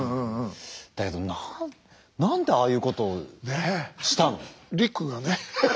だけど何でああいうことをしたの？